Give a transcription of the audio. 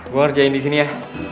gue ngerjain disini ya